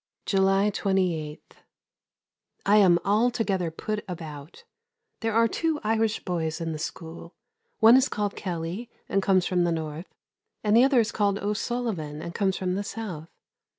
July 28. I am altogether put about. There are two Irish boys in the school; one is called Kelley and comes from the North, and the other is called O'Sullivan and comes from the South.